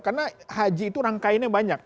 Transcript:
karena haji itu rangkainya banyak